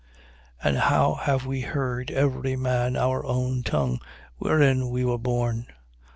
2:8. And how have we heard, every man our own tongue wherein we were born?